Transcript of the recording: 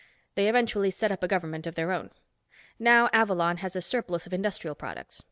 They eventually set up a government of their own. Now Avalon has a surplus of industrial products.